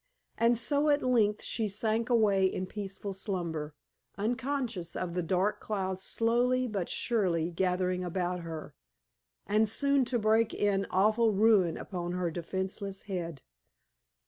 And so at length she sank away in peaceful slumber, unconscious of the dark clouds slowly but surely gathering about her, and soon to break in awful ruin upon her defenseless head.